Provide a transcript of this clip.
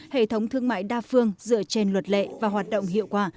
hệ thống thương mại đa phương dựa trên luật lệ và hoạt động hiệu quả